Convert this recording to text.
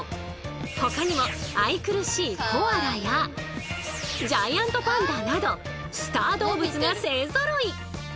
ほかにも愛くるしいコアラやジャイアントパンダなどスター動物が勢ぞろい！